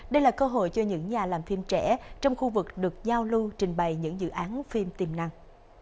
đây là cơ hội cho những nhà làm phim trẻ trong khu vực được giao lưu trình bày những dự án phim tiềm năng